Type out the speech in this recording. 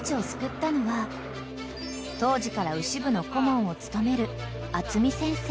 ［当時から牛部の顧問を務める］